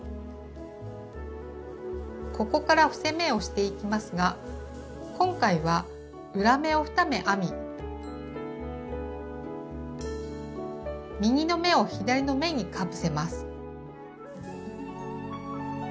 ここから伏せ目をしていきますが今回は裏目を２目編み右の目を左の目にかぶせます。